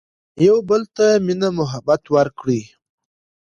يو بل ته مينه محبت ور کړي